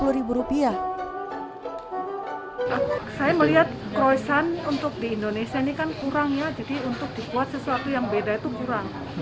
saya melihat croissan untuk di indonesia ini kan kurang ya jadi untuk dibuat sesuatu yang beda itu kurang